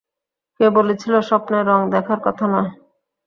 কে বলেছিল, স্বপ্নে রঙ দেখার কথা নয়?